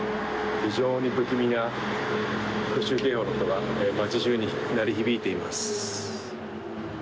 非常に不気味な空襲警報の音が街じゅうに鳴り響いています。